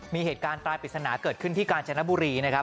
มีเหตุการณ์ตายปริศนาเกิดขึ้นที่กาญจนบุรีนะครับ